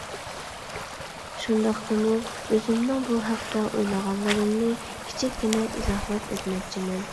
شۇنداقتىمۇ ئۆزۈمنىڭ بۇ ھەقتە ئويلىغانلىرىمنى كىچىككىنە ئىزاھلاپ ئۆتمەكچىمەن.